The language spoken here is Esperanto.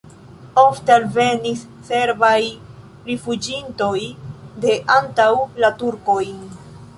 Ofte alvenis serbaj rifuĝintoj de antaŭ la turkojn.